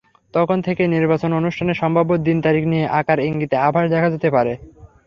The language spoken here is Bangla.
তখন থেকেই নির্বাচন অনুষ্ঠানের সম্ভাব্য দিন-তারিখ নিয়ে আকার-ইঙ্গিতে আভাস দেখা যেতে থাকে।